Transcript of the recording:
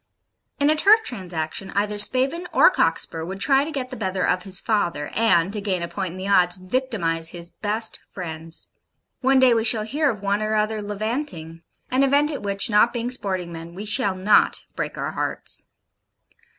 In a turf transaction, either Spavin or Cockspur would try to get the better of his father, and, to gain a point in the odds, victimise his best friends. One day we shall hear of one or other levanting; an event at which, not being sporting men, we shall not break our hearts.